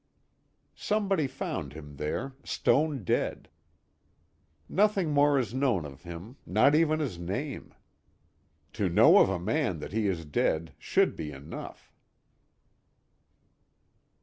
Somebody found him there, stone dead. Nothing more is known of him, not even his name. To know of a man that he is dead should be enough.